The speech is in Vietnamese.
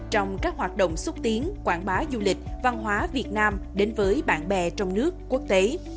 trong các hoạt động xúc tiến quảng bá du lịch văn hóa việt nam đến với bạn bè trong nước quốc tế